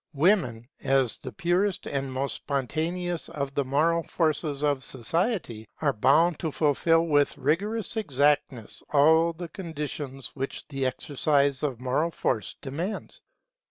Women, as the purest and most spontaneous of the moral forces of society, are bound to fulfil with rigorous exactness all the conditions which the exercise of moral force demands.